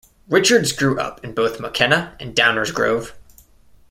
Richards grew up in both Mokena and Downers Grove.